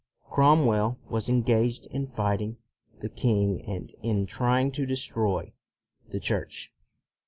Cromwell was en gaged in fighting the king and in trying to destroy the Church.